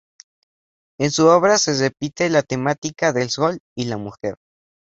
En su obra se repite la temática del sol y la mujer.